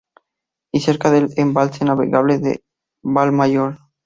Y cerca del embalse navegable de Valmayor.